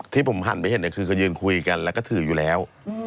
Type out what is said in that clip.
ที่ผมหันไปเห็นคือเขายืนคุยกันแล้วก็ถืออยู่แล้ว